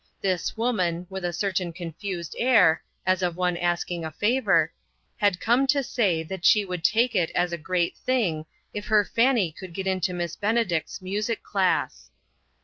This woman, with a certain confused air, as of one asking a favor, had come to say that she would take it as a great thing, if her Fanny could get into Miss Benedict's music class.